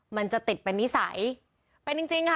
มันจะติดเป็นนิสัยเป็นจริงจริงค่ะ